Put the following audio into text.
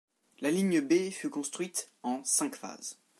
La ligne B fut construite en cinq phases.